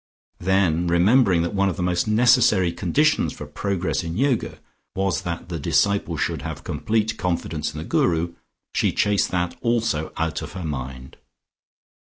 Then remembering that one of the most necessary conditions for progress in Yoga, was that the disciple should have complete confidence in the Guru, she chased that also out of her mind.